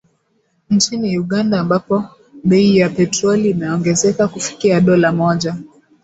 Nchini Uganda, ambapo bei ya petroli imeongezeka kufikia dola moja